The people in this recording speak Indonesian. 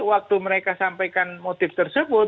waktu mereka sampaikan motif tersebut